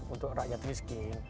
untuk rakyat miskin